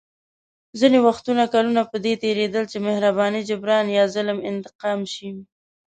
ځینې وختونه کلونه په دې تېرېدل چې مهرباني جبران یا ظلم انتقام شي.